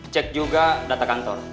cek juga data kantor